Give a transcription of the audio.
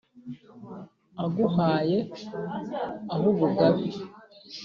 Aguhaye ah’ubugabe